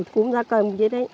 cụm ra cầm chết ấy